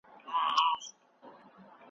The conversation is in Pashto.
دا سړی یو ستر شخصیت لري.